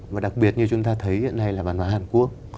và đặc biệt như chúng ta thấy hiện nay là văn hóa hàn quốc